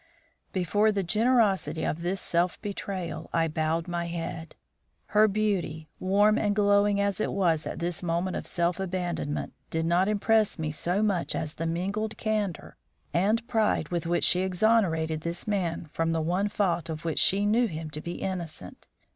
Before the generosity of this self betrayal I bowed my head. Her beauty, warm and glowing as it was at this moment of self abandonment, did not impress me so much as the mingled candour and pride with which she exonerated this man from the one fault of which she knew him to be innocent.